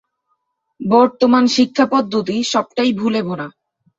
বর্তমান শিক্ষাপদ্ধতি সবটাই ভুলে ভরা।